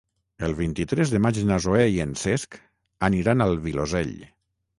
El vint-i-tres de maig na Zoè i en Cesc aniran al Vilosell.